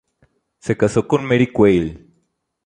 Se casó con Mary Quayle.